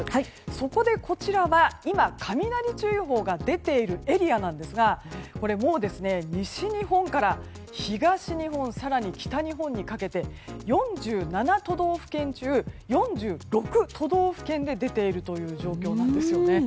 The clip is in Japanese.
そこでこちらは今、雷注意報が出ているエリアなんですがこれ、もう西日本から東日本、更に北日本にかけて４７都道府県中４６都道府県で出ているという状況なんです。